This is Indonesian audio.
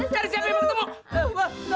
si cepi deh